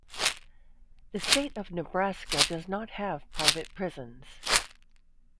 The state of Nebraska does not have private prisons.